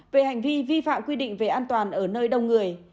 về hành vi vi phạm quy định về an toàn ở nơi đông người